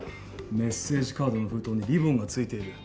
メッセージカードの封筒にリボンがついている。